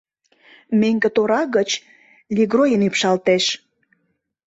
Меҥге тора гыч лигроин ӱпшалтеш.